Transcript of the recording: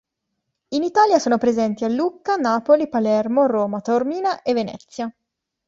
In Italia sono presenti a Lucca, Napoli, Palermo, Roma, Taormina e Venezia.